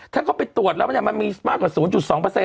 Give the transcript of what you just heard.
ถ้าเขาไปตรวจแล้วมันมีมากกว่า๐๒